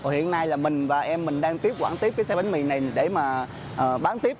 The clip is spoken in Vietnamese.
hiện nay là mình và em mình đang tiếp quản tiếp cái xe bánh mì này để mà bán tiếp